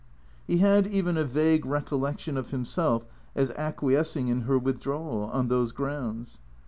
He had even a vague recollection of himself as acquiescing in her withdrawal, on those grounds.